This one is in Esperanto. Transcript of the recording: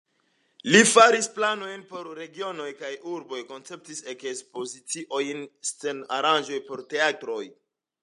Li faris planojn por regionoj kaj urboj, konceptis ekspoziciojn, scen-aranĝojn por teatroj.